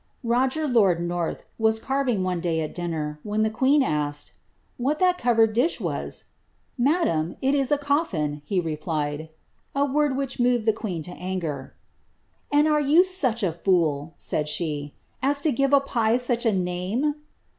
^'^ Roger Loid North was carving one day at dinner, when the queen aaked ^ what that covered dish was ?''^ Madam, it is a coffin,^' he re plied ; m word which moved the queen to anger. ^ And are you such a tool)'' nid she, ^ as to give a pie such a name